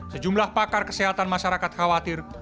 sejumlah pakar kesehatan masyarakat khawatir